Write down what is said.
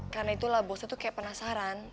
karena itulah bosnya itu kayak penasaran